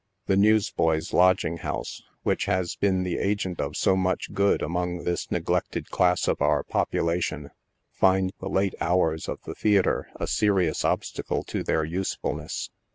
The Newsboys' Lodging House, which has been the agent of so much good among this neg lected class of our population, find the late hours of the theatre a serious obstacle to their usefulness.